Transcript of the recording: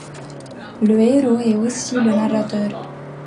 Le héros est aussi le narrateur.